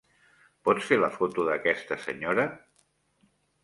Pots fer la foto d'aquesta senyora?